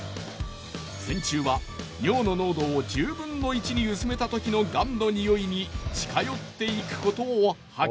線虫は尿の濃度を１０分の１に薄めたときのがんの臭いに近寄っていくことを発見！